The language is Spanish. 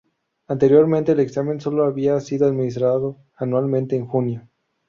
Anteriormente, el examen sólo había sido administrado anualmente, en junio.